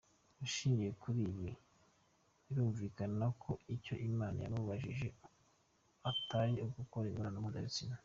Ushingiye kuri ibi, birumvikana ko icyo Imana yamubujije atari ugukora imibonano mpuzabitsina.